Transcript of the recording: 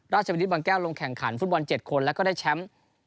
ราชวินิตบางแก้วลงแข่งขันฟุตบอล๗คนแล้วก็ได้แชมป์